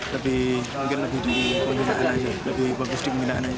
lebih mungkin lebih di pembinaan aja lebih bagus di pembinaan aja